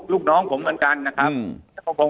แต่คุณยายจะขอย้ายโรงเรียน